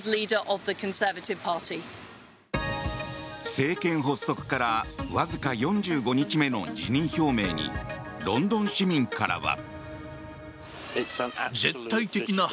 政権発足からわずか４５日目の辞任表明にロンドン市民からは。